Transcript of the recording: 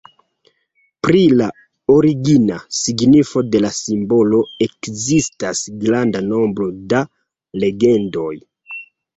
Pri la "origina" signifo de la simbolo ekzistas granda nombro da legendoj.